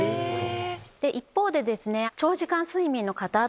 一方でですね。